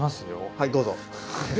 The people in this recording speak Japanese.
はいどうぞ。